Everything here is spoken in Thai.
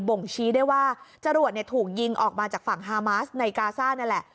่งชี้ได้ว่าจรวดถูกยิงออกมาจากฝั่งฮามาสในกาซ่านั่นแหละ